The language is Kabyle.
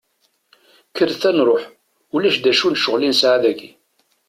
Kkret ad nruḥ, ulac d acu n ccɣel i nesɛa dagi.